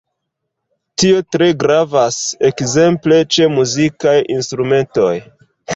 Tio tre gravas ekzemple ĉe muzikaj instrumentoj.